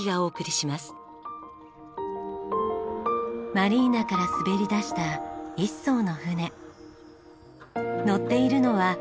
マリーナから滑り出した１艘の船。